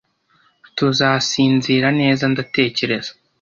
tuzasinzira neza ndatekereza